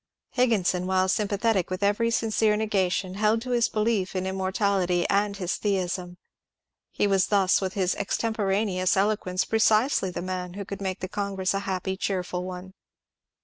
Higginson, while sympathetic with every sincere negation, held to his belief in immortality and his theism; he was thus with his extemporaneous elo quence precisely the man who could make the congress a happy and cheerful one.